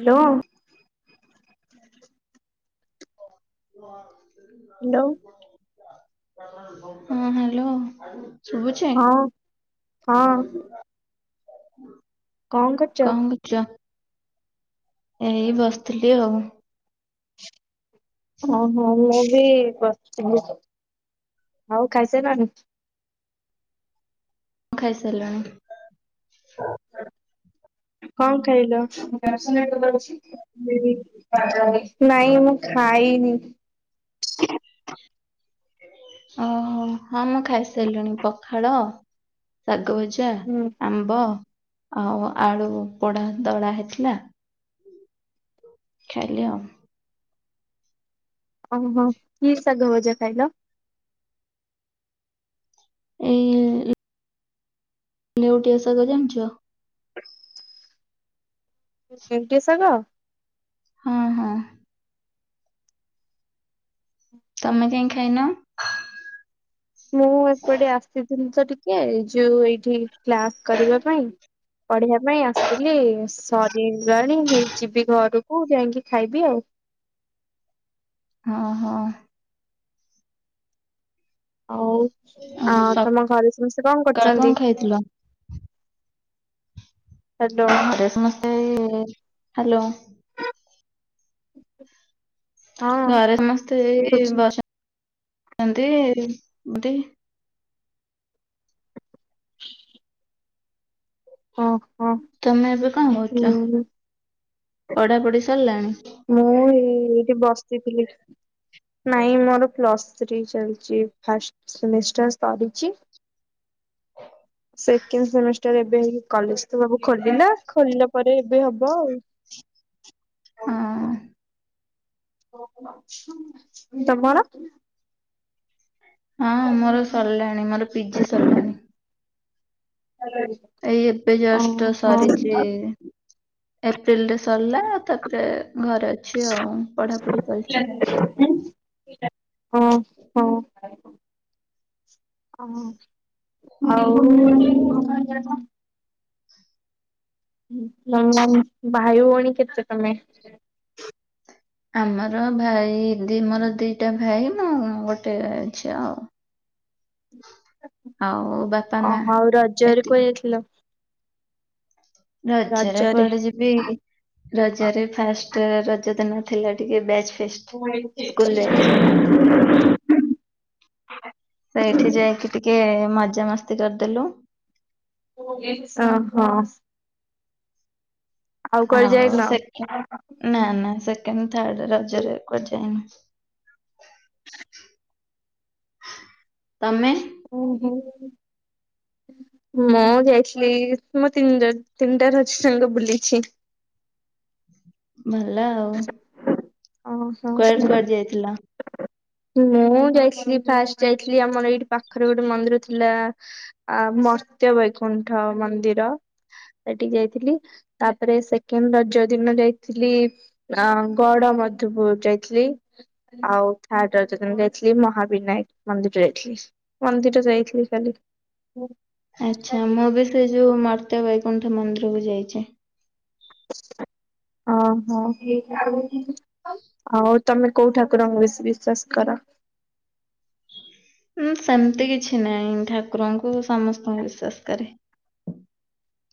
Hello. ହଁ। Hello. ହଁ hello. ଶୁଭୁଛି? ହଁ ହଁ କଣ କରୁଛ? ଏଇ ବସିଥିଲି ଆଉ। ଓ ହଉ ମୁଁ ବି ବସିିଥିଲି। ଆଉ ଖାଇସାରିଲେଣି? ମୁଁ ଖାଇସାରିଲିଣି। କଣ ଖାଇଲ? ନାଇଁ ମୁଁ ଖାଇନି। ଓହୋ। ହଁ ମୁଁ ଖାଇସାରିଲିଣି ପଖାଳ, ଶାଗ ଭଜା ହୁଁ। ଆମ୍ବ ଆଉ ଆଳୁ ପୋଡା ଦଳା ହେଇଥିଲା। ଖାଇଲି ଆଉ। ଓହୋ କି ସାଗଭଜା ଖାାଇଲ? ଏଇ ନେଉଟିଆ ଶାଗ ଜାଣିଛ? ନେଉଟିଆ ଶାଗ। ହଁ ହଁ। ତମେ କାଇଁ ଖାଇନ? ମୁଁ ଏପଟେ ଆସିଥିଲି ତ ଟିକେ ଯୋଉ ଏଇଠି କ୍ଲାସ କରିବା ପାଇଁ। ପଢିବା ପାଇଁ ଆସିଥିଲି ସରିଲାଣି ହେଇ ଯିବି ଘରକୁ ଯାଇକି ଖାଇବି। ହଁ ହଁ। ହଉ ଆ ତମ ଘରେ ସମସ୍ତେ କଣ କରୁଛନ୍ତି? ଯାଇଥିଲ? ହ୍ୟାଲୋ। ରେ ସମସ୍ତେ ଏଇ ହ୍ୟାଲୋ। ହଁ ଘରେ ସମସ୍ତେ ଏଇ ଶୁଭୁଛି ବସିଛନ୍ତି ଏଇଠି ଅହ। ତମେ ଏବେ କଣ କରୁଛ ପଢା ପଢି ସରିଲାଣି? ମୁଁ ଏଇ ଏଇଠି ବସିଥିଲି। ନାଇଁ ମୋର ପ୍ଲସ୍ ଥ୍ରୀ ଚାଲିଛି ଫାଷ୍ଟ ସେମିଷ୍ଟର ସରିଛି। ସେକେଣ୍ଡ ସେମିଷ୍ଟାର ଏବେ ହେଇକି କଲେଜ ତ ସବୁ ଖୋଲିଲା ଖୋଲିଲା ପରେ ଏବେ ହବ ଆଉ ହଁ। ତମର? ହଁ ମୋର ସରିଲାଣି ମୋର ପିଜି ସରିଲାଣି। ଭଲ ହେଇଛି। ଏଇ ଏବେ ଜଷ୍ଟ ସରିଛି ଏପ୍ରିଲରେ ସରିଲା ତାପରେ ଘରେ ଅଛି ଆଉ ପଢାପଢି ଚାଲିଛି। ଓହୋ। ଆଉ ଭାଇ ଭଉଣି କେତେ ତମେ? ଆମର ଓହୋ ଭାଇ ଦି ମୋର ଦିଟା ଭାଇ ମୁଁ ଗୋଟେ ଝିଅ ଆଉ। ଆଉ ବାପା ମା ଆଉ ରଜରେ ଏତିକି। [unintelligible] ରଜରେ କୁଆଡେ ଯିବ ବି ରଜରେ ଫାଷ୍ଟ ରଜ ଦିନ ଥିଲା ଟିକେ ବ୍ୟାଚ ଫିଷ୍ଟ୍। [inaudible] ସେଇଠି ଯାଇକି ଟିକେ ମଜାମସ୍ତି କରିଦେଲୁ। ହଁ। କୁଆଡେ ଆଉ ସେକେଣ୍ଡ ନା ନା ସେକେଣ୍ଡ ଥାର୍ଡ ରଜରେ କୁଆଡେ ଯାଇନି? ତମେ? ହୁଁ ହୁଁ। ମୁଁ ଯାଇଥିଲି ମୋ ତିନି ରଜ ତିନିଟା ରଜ ଯାକ ବୁଲିଛି। ଭଲ ଆଉ। ଓ ହୋ। କୁଆଡେ କୁଆଡେ ଯାଇଥିଲ? ମୁଁ ଯାଇଥିଲି ଫାଷ୍ଟ ଯାଇଥିଲି ଆମର ଏଇଠି ପାଖେରେ ଗୋଟେ ମନ୍ଦିର ଥିଲା। ଆ ମର୍ତ୍ତ୍ୟ ବୈକୁଣ୍ଠ ମନ୍ଦିର। ଏଇଟିକି ଯାଇଥିଲି ତାପରେ ସେକେଣ୍ଡ ରଜ ଦିନ ଯାଇଥିଲି ଅ ଗଡ ମଧୁପୁର ଯାଇଥିଲି। ଆଉ ଥାର୍ଡ ରଜ ଦିନ ଯାଇଥିଲି ମହାବିନାୟକ ମନ୍ଦିର ଯାଇଥିଲି। ମନ୍ଦିର ଯାଇଥିଲି କାଲି। ଆଚ୍ଛା ମୁଁ ବି ସେ ଯୋଉ ମର୍ତ୍ତ୍ୟ ବୈକୁଣ୍ଠ ମନ୍ଦିରକୁ ଯାଇଛି। ଅ ହୋ। ଆଉ ତମେ କୋଉ ଠାକୁରଙ୍କୁ ବେଶି ବିଶ୍ଵାସ କର? ହୁଁ ସେମତି କିଛି ନାଇଁ ଠାକୁରଙ୍କୁ ସମସ୍ତଙ୍କୁ ବିଶ୍ୱାସ କରେ।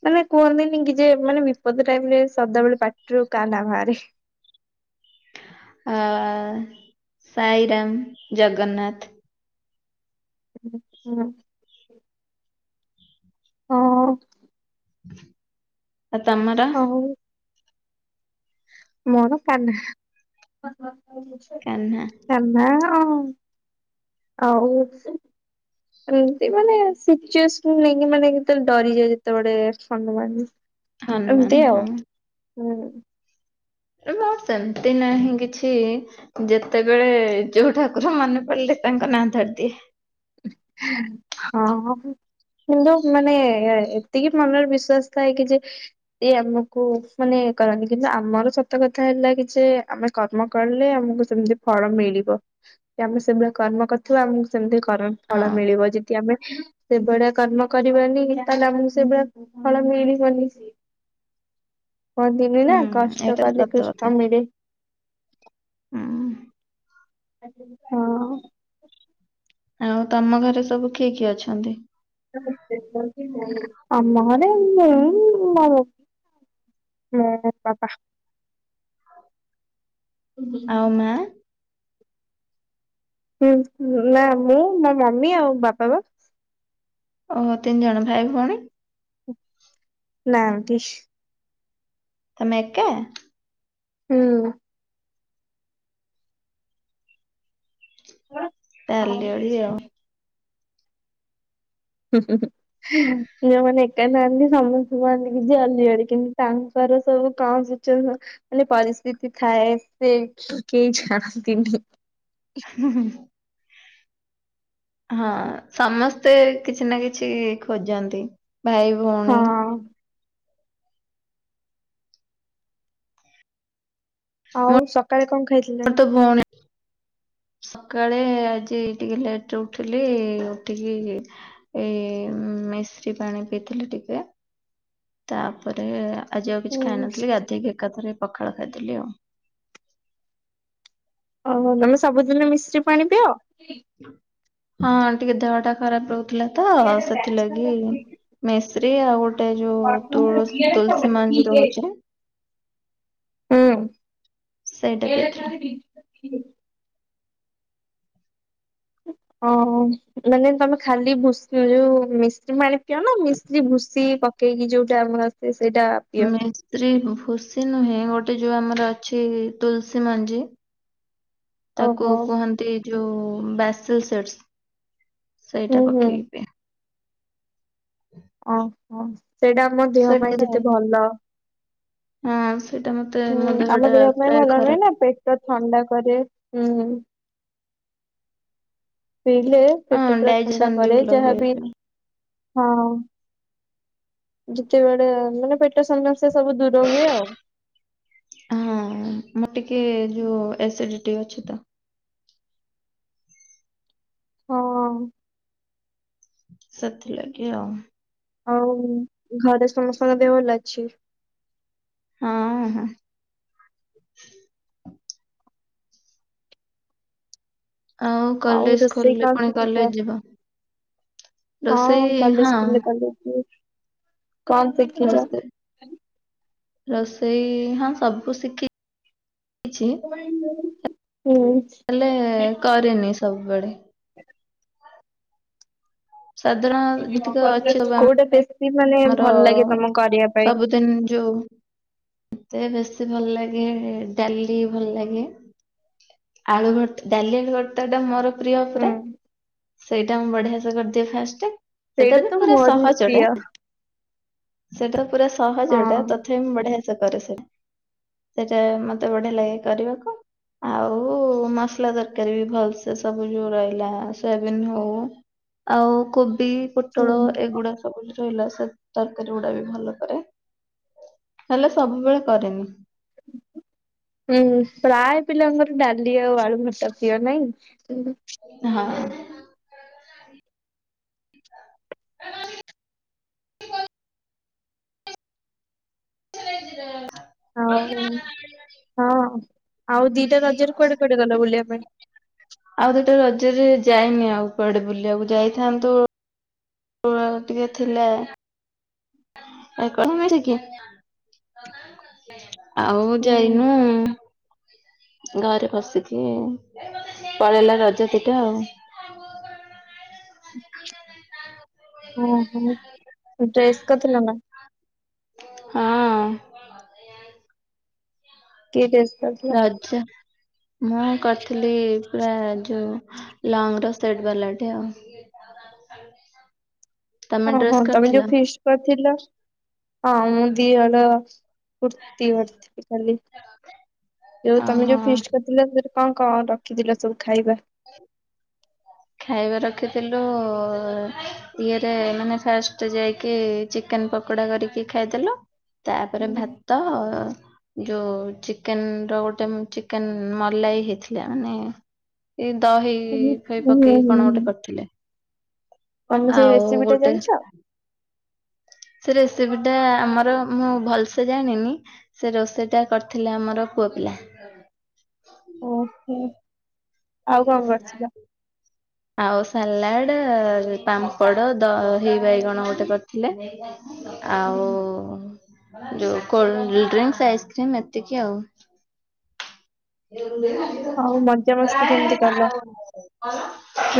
ମାନେ କୁହନ୍ତିନି କି ଯେ ମାନେ ବିପଦ ଟାଇମ ରେ ସଦାବେଳେ ପାଟିରୁ କା ନାଁ ବାହାରେ? ଆ ସାଇରାମ, ଜଗନ୍ନାଥ। ହୁଁ କୁହ। ହଁ। ଆଉ ତମର? ହଉ। ମୋର କାହ୍ନା। କାହ୍ନା। କାହ୍ନା ଆଉ ଆଉ ଏମତି ମାନେ ସିଚୁଏସନ ନେଇକି ମାନେ କେତେବେଳେ ଡରିଯାଏ ଯେତେବଳେ ହନୁମାନ ହନୁମାନ ଏମତି ଆଉ ହଁ ହୁଁ। ଏ ମୋ ସେମତି ନାହିଁ କିଛି। ଯେତେବେଳେ ଯୋଉ ଠାକୁର ମନେ ପଡିଲେ ତାଙ୍କ ନାଁ ଧରଦିଏ। ଉଁ ହଁ କିନ୍ତୁ ମାନେ ଏ-ଏତିକି ମନରେ ବିଶ୍ୱାସ ଥାଏ କି ଯେ ଏଇ ଆମକୁ ମାନେ କରନ୍ତି କିନ୍ତୁ ଆମର ସତ କଥା ହେଲା କି ଯେ ଆମେ କର୍ମ କଲେ ଆମକୁ ସେମତି ଫଳ ମିଳିବ କି ଆମେ ସେଭଳିଆ କର୍ମ କରିଥିବା ଆମକୁ ସେମତି ହଁ ଫଳ ମିଳିବ ଯଦି ଆମେ ସେଭଳିଆ କର୍ମ କରିବାନି ତାହେଲେ ମୁଁ ସେଭଳିଆ ଫଳ ମିଳିବନି। କୁହନ୍ତିନି ହୁଁ ନା କଷ୍ଟ ଏଇଟା କଲେ ସତ କଥା କୃଷ୍ଣ ମିଳେ। ହୁଁ। ହଁ। ଆଉ ତମ ଘରେ ସବୁ କିଏ କିଏ ଅଛନ୍ତି? ଆମ ଘରେ ମୁଁ ମୋ ମୁଁ ବାବା। ହୁଁ ହୁଁ ଆଉ ହୁଁ ହଁ। ମା ହୁଁ ନା ମୁଁ ମୋ ମମି ଆଉ ବାପା ବା। ଓ ହୋ ତିନି ଜଣ ଭାଇ ଭଅଣୀ। ନାହାନ୍ତି। ତମେ ଏକା? ହୁଁ। [inaudible] ଅଲି ଓଳି ଆଉ। ହୁଁ ହୁଁ ହୁଁ ଝିଅ ମାନେ [unintelligible] ମାନେ ପରିସ୍ଥିତି ଥାଏ ସେ କେହି ଜାଣନ୍ତିନି। ହୁଁ ହୁଁ। ହଁ ସମସ୍ତେ କିଛି ନା କିଛି ଖୋଜନ୍ତି ଭାଇ ହଁ ଭଉଣୀ। ଆଉ ସକାଳେ କଣ ଖାଇଥିଲେ। ବଣେ। ସକାଳେ ଆଜି ଟିକେ ଲେଟ ରେ ଉଠିଲି ଉଠିକି ଏ ମିଶ୍ରୀ ପାଣି ପିଇଥିଲି ଟିକେ। ତାପରେ ଆଜି ଆଉ କିଛି ହୁଁ ଖାଇନଥିଲି ଗାଧେଇକି ଏକାଥରେ ପଖାଳ ଖାଇଦେଲିି ଆଉ। ଓହୋ ତମେ ସବୁଦିନ ମିଶ୍ରି ପାଣି ପିଅ। ହଁ ଟିକେ ଦେହ ଟା ଖରାପ ରହୁଥିଲା ତ ସେଥିଲାଗି। ମିସ୍ରୀ ଆଉ ଗୋଟେ ଯୋଉ ତୁଳ ତୁଲସୀ ମଞ୍ଜି ରହୁଛି। ହୁଁ। ସେଇଟା ପିଇଥିଲି। ଅଁ ଓଉଁ ମାନେ ତମେ ଖାଲି ଭୂଷି ଯୋଉ ମିଶ୍ର ପାଣି କିଣ ମିସ୍ତ୍ରୀ ଭୁଷ ପକେଇକି ଯୋଉଟା ଆମର ଆସେ ସେଇଟା ପିଅ? ମିସ୍ତ୍ରୀ ଭୁସି ନୁହେଁ ଗୋଟେ ଯୋଉ ଆମର ଅଛି ତୁଲସୀ ମଞ୍ଜି। ତାକୁ ଓହୋ। କୁହନ୍ତି ଯୋଉ ବାସେ ସିଡସ୍। ହୁଁ ସେଇଟା ହୁଁ ପକେଇକି ପିଏ। ଓହ ସେଇଟା ଆମ ଦେହ ପାଇଁ ସେଇଟା କେତେ ଭଲ। ହଁ। ସେଇଟା ମତେ ହୁଁ ମୋ ଆମ ଦେହଟା ଦେହ ପାଇଁ ପ୍ରାୟ ଭଲ ନୁହେଁ ଖରାପ ନା ପେଟ ଥଣ୍ଡା କରେ ହୁଁ। ପିଇଲେ ହଁ ସେଟ ପୁରା ଥଣ୍ଡା ଡାଇଜେସନ ବି କରେ ଭଲ ହୁଏ। ଯାହାବି ହଁ। ଯେତେବେଳେ ମାନେ ପେଟ ସମସ୍ୟା ସବୁ ଦୂର ହୁଏ ଆଉ। ହଁ ମୋର ଟିକେ ଯୋଉ ଏସିଡିଟି ଅଛି ତ। ହଁ। ସେଥିଲାଗି ଆଉ। ଆଉ ଘରେ ସମସ୍ତଙ୍କ ଦେହ ଭଲ ଅଛି। ଆଁ। ଆଉ ହଉ କଲେଜ ରୋଷେଇ ଖୋଲିଲେ ପୁଣି କଲେଜ [unintelligible] ଯିବ ହଁ ରୋଷେଇ ହଁ କଲେଜକୁ କଲେଜ ଯିବି। ରୋଷେଇ ରୋଷେଇ ହଁ ସବୁ ଶିଖି କିଛି। ହୁଁ। ହେଲେ କରେନି ସବୁବେଳେ। ଆଉ ସାଧାରଣ ଯେ ଟିକେ ଅଛ ବା ଗୋଟେ ଵେଶୀଵ୍ ମାନେ ଆମର ଭଲ ଲାଗେ ତମକୁ କରିବା ପାଇଁ? ସବୁଦିନ ଯୋଉ। ମୋତେ ବେଶୀ ଭଲ ଲାଗେ ଡାଲି ଭଲ ଲାଗେ। ଆଳୁ ଭର୍ତା ଡାଲିଆଳୁ ଭର୍ତା ଟା ମୋର ପ୍ରିୟ ହୁଁ ପୁରା ସେଇଟା ମୁଁ ବଢିଆ ସେ କରିଦିଏ ଫାଷ୍ଟ ସେଇଟା ବି ତ ପୁରା ମୋର ବି ପ୍ରିୟ ସହଜଟେ। ହଁ ସେଥର ପୁରା ସହଜ ଟା ତଥାପି ମୁଁ ବଢିଆ ସେ କରେ ସେ ସେଇଟା ମତେ ବଢିଆ ଲାଗେ କରିବାକୁ। ଆଉ ମସଲା ତରକାରୀ ବି ଭଲସେ ସବୁ ଯୋଉ ରହିଲା ସୋୟାବିନ ହଉ। ଆଉ କୋବି ପୋଟଳ ହୁଁ। ଏଗୁଡା ସବୁ। ରହିଲା ସତ୍ ତରକାରୀ ଗୁଡା ବି ଭଲ କରେ ହେଲେ ସବୁବେଳେ କରେନି। ହୁଁ ପ୍ରାୟ ପିଲାଙ୍କର ଡାଲି ଆଉ ଆଳୁଭର୍ତା ପିପ୍ର ନାହିଁ। ହଁ। [inaudible] [inaudible] ହଉ ହଁ ଆଉ ଦିଟା ରଜରେ କୁଆଡେ କୁଆଡେ ଗଲା ବୁଲିବା ପାଇଁ? ଆଉ ଗୋଟେ ରଜରେ ଯାଇନି ଆଉ କୁଆଡେ ବୁଲିବାକୁ ଯାଇଥାନ୍ତୁ ଉଆଗ ଟିକେ ଥିଲା। ଆ କଣ ମିରିକି ଆଉ ହୁଁ ଯାଇନୁ। ଘରେ ବସିକି ପଳେଇଲା ରଜ ଦିଇଟା ଆଉ। ଓ ହୋ ଡ୍ରେସ୍ କରିଥିଲା ନା? ହଁ ପ୍। କି ଡ୍ରେସ କରିଥିଲା? ଆଚ୍ଛା। ମୁଁ କରିଥିଲି ପୁରା ଯୋଉ ଲଙ୍ଗ ର ସେଟ୍ ବାଲଟେ ଆଉ। ଖାଇ [unintelligible] ହଁ ହଁ ତମେ ଯୋଉ ଫିସ୍ଟ କରିଥିଲ? ହଁ ମୁ ଦିହଳ କୁର୍ତି କରିଥିଲି ଖାଲି। ଯୋଉ ତମେ ଯୋଉ ଓହୋ। ଫିଷ୍ଟ କରିଥିଲ ସେ କଅଁ କଅଁ ରଖିଥିଲ ସବୁ ଖାଇବା? ଖାଇବା ରଖିଥିଲୁ ଇଏରେ ମାନେ ଫାଷ୍ଟ ଯାଇକି ଚିକେନ ପକୋଡା କରିକି ଖାଇଦେଲୁ ତାପରେ ହୁଁ ଭାତ ଯୋଉ ଚିକେନ ର ଗୋଟେ ଚିକେନ ମଲାଇ ହେଇଥିଲା ମାନେ ଏଇ ଦହି ହୁଁ ଫଇ ପକେଇକି କଣ ହୁଁ ଗୋଟେ କରିଥିଲେ। ତମେ ସେଇ ଆଉ ରେସିପି ଟା ଜାଣିଛ? ସେଥିରେ ସେ ଗୋଟାଏ ଆମର ମୁଁ ଭଲସେ ଜାଣିନି ସେ ରୋଷେଇଟା କରିଥିଲେ ଆମର ପୁଅ ପିଲା। ଓହୋ ଆଉ କଣ କରିଥିଲ? ଆଉ ସାଲାଡ ପାମ୍ପଡ ଦଇ ବାଇଗଣ ଗୋଟେ କରିଥିଲେ। ଆଉ ଯୋଉ କୋଲଡ୍ରିସ୍ ଆଇସ୍କ୍ରିମ ଏତିକି ଆଉ। ତ ଆଉ ମଜାମସ୍ତି କେମିତି କଲ?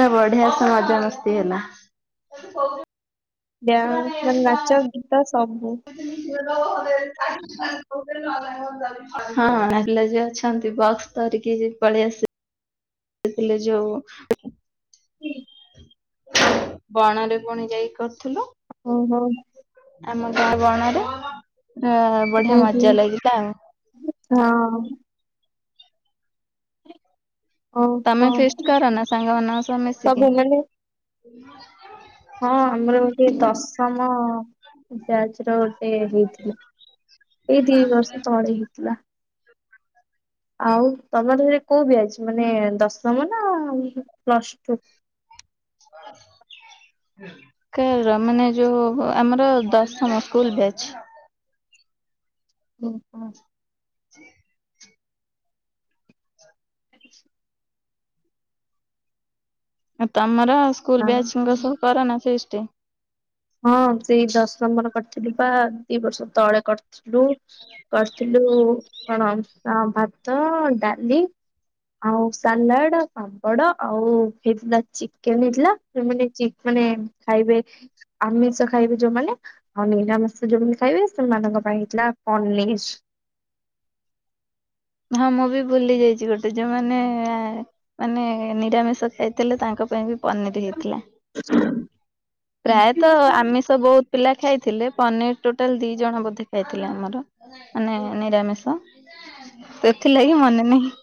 [unintelligible] ବଡ଼ିଆସେ ମଜା ମସ୍ତି ହେଲା। ଡ୍ୟାନ୍ସ ମାନେ ନାଚ ଗୀତ ସବୁ। ହଁ ହେଲେ ଯ ଅଛନ୍ତି ବକ୍ସ। ଧରିକି ପଳେଇ ଆସିବୁ ଦେଖିଲେ ଯୋଉ। ହୁଁ। ବଣ ରେ ପୁଣି ଯାଇକି କରିଥିଲୁ। ଓ ହୋ। ଆମ ଗାଁ ବଣରେ ବଢିଆ କାହିଁକି ମଜା ଲାଗିଲା ଆଉ। ହଁ। ତମେ ଓହୋ ଫିଷ୍ଟ କର ନା ସାଙ୍ଗ ସ ମିଶିକି? ସବୁ ମାନେ ହଁ ଆମର ଗୋଟେ ଦଶମ ବ୍ୟାଚ ର ଗୋଟେ ହେଇଥିଲା। ଏଇ ଦି ବର୍ଷ ତଳେ ହେଇଥିଲା। ଆଉ ତମ [unintelligible] କୋଉ ବ୍ୟାଚ୍ ମାନେ ଦଶମ ନା ପ୍ଲସ ଟୁ? ହ କାହାର ମାନେ ଯୋଉ ଆମର ଦଶମ ସ୍କୁଲ ବ୍ୟାଚ। ଓହୋ। ସେ ଆ ତମର ସ୍କୁଲ ହୋ। ବ୍ୟାଚଙ୍କ ସହ କରନା ଫିଷ୍ଟ? ହଁ ସେଇ ଦଶମର କରିଥିଲୁ ପା ଦି ବର୍ଷ ତଳେ କରିଥିଲୁ। କରିଥିଲୁ କଣ ଆ ଭାତ, ଡାଲି। ଆଉ ସାଲାଡ, ପାମ୍ପଡ ଆଉ ହେଇଥିଲା ଚିକେନ ହେଇଥିଲା। ସେମାନେ ଚି ମାନେ ଖାଇବେ। ଆମିଷ ଖାଇବେ ଯୋଉମାନେ ଆଉ ନୀରାମିଷ ଯୋଉମାନେ ଖାଇବେ ସେମାନଙ୍କ ପାଇଁ ହେଇଥିଲା ପନିର। ହଁ ମୁଁ ବି ଭୁଲି ଯାଇଛି ଗୋଟେ ଯୋଉ ମାନେ। ମାନେ ନିରାମିଷ ଖାଇଥିଲେ ତାଙ୍କ ପାଇଁ ବି। ପନିର ହେଇଥିଲା ପ୍ରାୟତଃ ଆମିଷ ବହୁ ପିଲା ଖାଇଥିଲେ ପନିର ଟୋଟାଲ ଦି ଜଣ ବୋଧେ ଖାଇଥିଲେ ଆମର ମାନେ ନିରାମିଷ। ସେଥିଲାଗି ମନେ ନାହିଁ।